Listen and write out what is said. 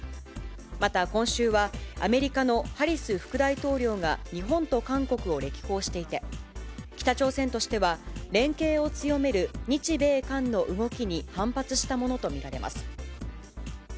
また、今週はアメリカのハリス副大統領が日本と韓国を歴訪していて、北朝鮮としては、連携を強める日米韓の動きに反発したものと見られます。